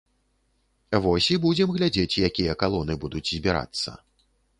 Вось і будзем глядзець, якія калоны будуць збірацца.